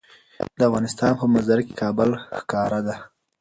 د افغانستان په منظره کې کابل ښکاره ده.